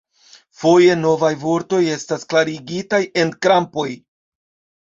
Foje novaj vortoj estas klarigitaj en krampoj.